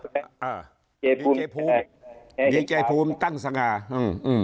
ดีเกย์ภูมิดีเกย์ภูมิตั้งสง่า